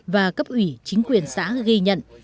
và cấp ủy chính quyền xã ghi nhận